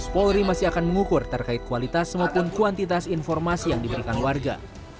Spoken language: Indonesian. polri masih akan mengukur terkait kualitas maupun kuantitas informasi yang diberikan warga